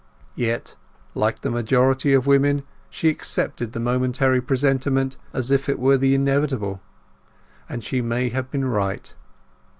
Yet, like the majority of women, she accepted the momentary presentment as if it were the inevitable. And she may have been right.